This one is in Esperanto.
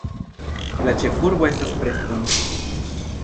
La ĉefurbo estas Preston.